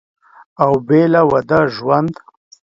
او بېله واده ژوند